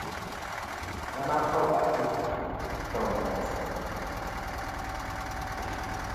Aŋena fel àkuyn, fel ndoŋsɨ̀, fi fel ɨlaŋ.